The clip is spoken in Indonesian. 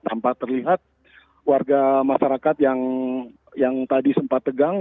tanpa terlihat warga masyarakat yang tadi sempat tegang